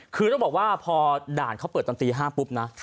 คือต้องบอกว่าพอด่านเขาเปิดตอนตี๕ปุ๊บนะ